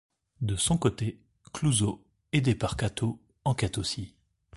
De son côté, Clouseau, aidé par Kato, enquête aussi.